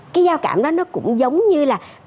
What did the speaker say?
cái giao cảm đó nó cũng giống như là